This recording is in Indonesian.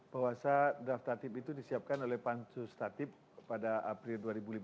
bahwasa draft tatip itu disiapkan oleh pancus tatip pada april dua ribu lima belas